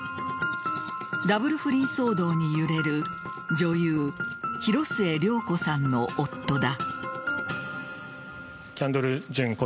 ダブル不倫騒動に揺れる女優・広末涼子さんの夫だ。